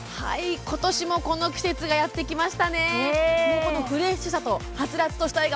ことしもこの季節がやってきましたね。